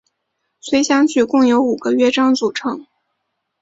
随想曲共有五个乐章组成。